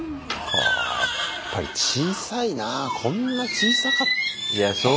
やっぱり小さいなこんな小さかったかな。